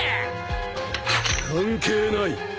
関係ない。